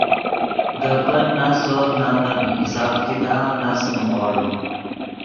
گپن نو سور نو ڤین حساب کتاب ناسے نیغوڑ